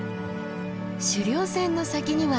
主稜線の先には。